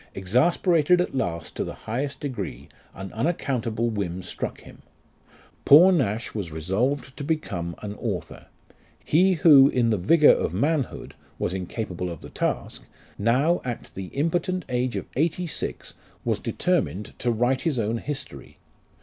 Exasperated at last to the highest degree, an unaccountable whim struck him. Poor Nash was resolved to become an author ; he who, in the vigour of manhood, was incapable of the task, now at the impotent age of eighty six, was determined to write his own history